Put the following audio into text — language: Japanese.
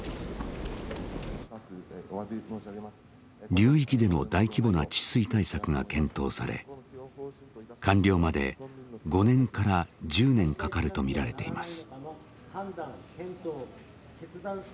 流域での大規模な治水対策が検討され完了まで５年から１０年かかるとみられています。